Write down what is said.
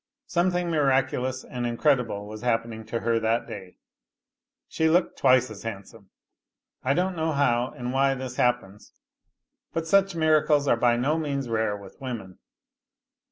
Something miraculous and incredible was happening to her that day; she looked twice as handsome. I don't know how and why this happens, but such miracles are by no means rare with women.